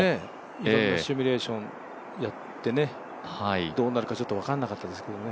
いろんなシミュレーションやって、どうなるかちょっと分からなかったですけどね。